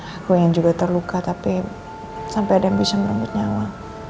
aku ingin juga terluka tapi sampai ada yang bisa merenggut nyawa